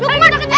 lukman eh buk buk